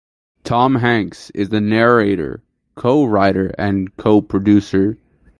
Tom Hanks is the narrator, co-writer and co-producer.